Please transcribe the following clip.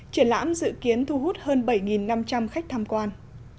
triển lãm dự kiến thu hút hơn bảy năm trăm linh khách tham quan